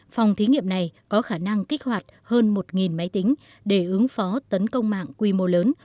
phòng thí nghiệm này có khả năng kích hoạt hơn một máy tính để ứng phó tấn công mạng quy mô lớn